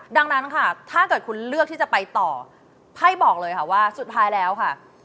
ดังนั้นค่ะถ้าเกิดคุณเลือกที่จะไปต่อไพ่บอกเลยค่ะว่าสุดท้ายแล้วค่ะ